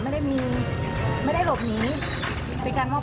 ไม่ได้มีเจตนาที่จะเล่ารวมหรือเอาทรัพย์ของคุณ